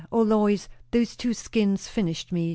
O Lois those two skins finished me!